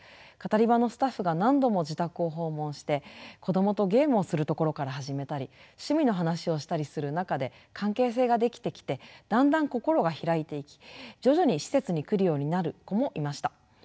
カタリバのスタッフが何度も自宅を訪問して子どもとゲームをするところから始めたり趣味の話をしたりする中で関係性が出来てきてだんだん心が開いていき徐々に施設に来るようになる子もいました。